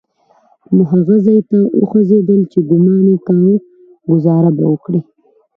نو هغه ځای ته وخوځېدل چې ګومان يې کاوه ګوزاره به وکړي.